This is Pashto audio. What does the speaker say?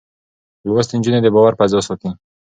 لوستې نجونې د باور فضا ساتي.